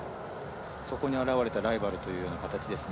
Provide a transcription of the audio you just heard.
そこに現れたライバルという形ですね。